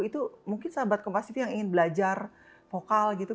itu mungkin sahabatku pasti tuh yang ingin belajar vokal gitu